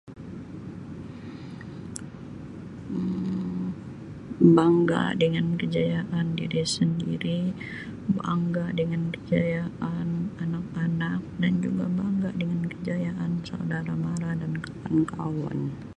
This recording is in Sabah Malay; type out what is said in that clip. Um Bangga dengan kejayaan diri sendiri bangga dengan kejayaan anak-anak dan juga bangga dengan kejayaan saudara-mara dan kawan-kawan.